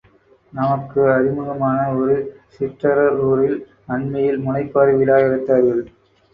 நமக்கு அறிமுகமான ஒரு சிற்றறூரில் அண்மையில் முளைப்பாரி விழா எடுத்தார்கள்!